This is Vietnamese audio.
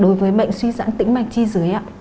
đối với bệnh suy giãn tĩnh mạch chi dưới